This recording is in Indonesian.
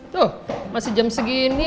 tuh masih jam segini